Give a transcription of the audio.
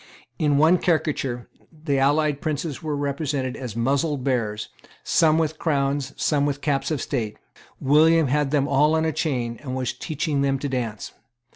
In one caricature the allied princes were represented as muzzled bears, some with crowns, some with caps of state. William had them all in a chain, and was teaching them to dance.